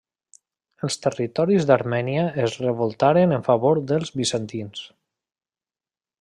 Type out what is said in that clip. Els territoris d'Armènia es revoltaren en favor dels bizantins.